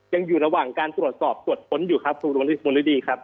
ยังอยู่ระหว่างการตรวจสอบตรวจค้นคุณวันที่สมมติด้วยดีครับ